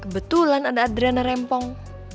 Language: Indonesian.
kebetulan ada adriana rempong